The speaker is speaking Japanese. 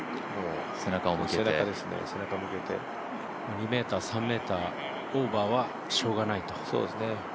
２ｍ、３ｍオーバーはしょうがないと。